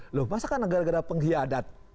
loh masa kan gara gara penghiadat